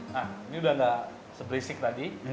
nah ini udah nggak seberisik tadi